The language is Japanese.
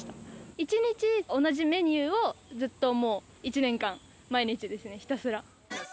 １日同じメニューをずっと１年間、毎日ですね、ひたすら。